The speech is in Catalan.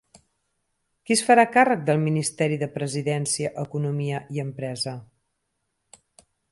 Qui es farà càrrec del ministeri de Presidència, Economia i Empresa?